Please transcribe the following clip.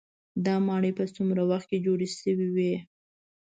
دا ماڼۍ په څومره وخت کې جوړې شوې وي.